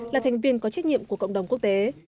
là thành viên có trách nhiệm của cộng đồng quốc tế